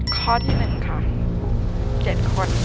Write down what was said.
ข้อที่หนึ่งค่ะ๗คน